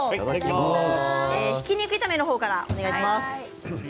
ひき肉炒めからお願いします。